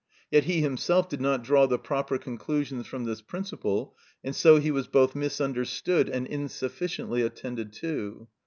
Yet he himself did not draw the proper conclusions from this principle, and so he was both misunderstood and insufficiently attended to.